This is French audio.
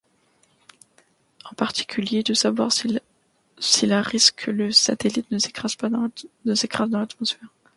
En particulier de savoir s'il a risque que le satellite ne s'écrase dans l'atmosphère?